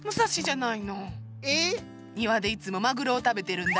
庭でいつもマグロを食べてるんだよ。